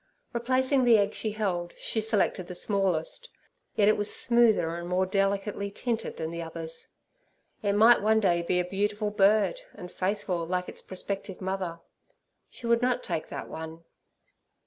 Replacing the egg she held, she selected the smallest, yet it was smoother and more delicately tinted than the others; it might one day be a beautiful bird, and faithful like its prospective mother—she would not take that one.